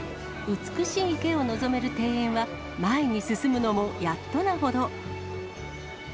美しい池を望める庭園は、前に進むのもやっとなほど。